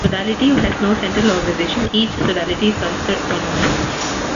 Sodality has no central organization; each Sodality is considered autonomous.